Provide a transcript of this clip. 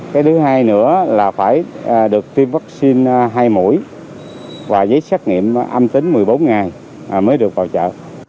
cái thứ hai nữa là phải được tiêm vaccine hai mũi và giấy xét nghiệm âm tính một mươi bốn ngày mới được vào chợ